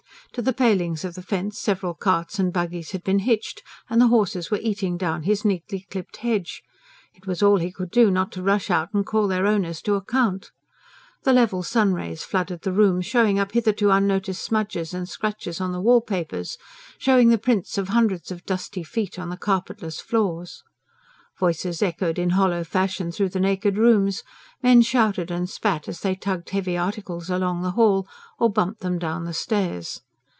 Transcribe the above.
To the palings of the fence several carts and buggies had been hitched, and the horses were eating down his neatly clipped hedge it was all he could do not to rush out and call their owners to account. The level sunrays flooded the rooms, showing up hitherto unnoticed smudges and scratches on the wall papers; showing the prints of hundreds of dusty feet on the carpetless floors. Voices echoed in hollow fashion through the naked rooms; men shouted and spat as they tugged heavy articles along the hall, or bumped them down the stairs.